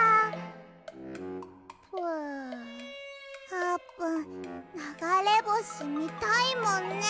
あーぷんながれぼしみたいもんね。